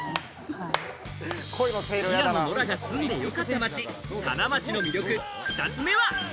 平野ノラが住んでよかった街、金町の魅力、２つ目は。